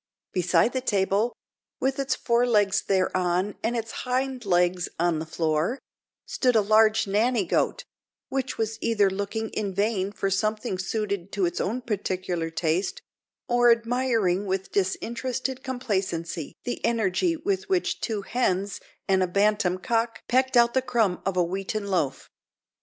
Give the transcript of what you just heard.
Beside the table, with its fore legs thereon and its hind legs on the floor, stood a large nanny goat, which was either looking in vain for something suited to its own particular taste, or admiring with disinterested complacency the energy with which two hens and a bantam cock pecked out the crumb of a wheaten loaf.